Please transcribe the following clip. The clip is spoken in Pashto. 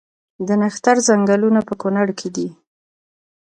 د نښتر ځنګلونه په کنړ کې دي؟